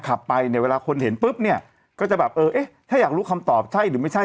ขับไปเนี่ยเวลาคนเห็นปุ๊บเนี่ยก็จะแบบเออเอ๊ะถ้าอยากรู้คำตอบใช่หรือไม่ใช่